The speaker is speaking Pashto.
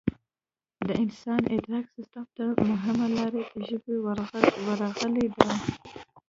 د انسان ادراک سیستم ته مهمه لار د ژبې ورغلې ده